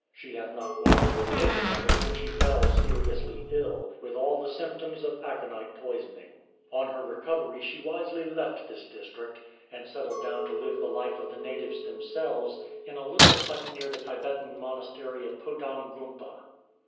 She had not long partaken of it when she fell seriously ill, with all the symptoms of aconite poisoning. On her recovery she wisely left this district, and settled down to live 78 PONTSO the life of the natives themselves in a little hut near the Tibetan monastery of Podang Gumpa.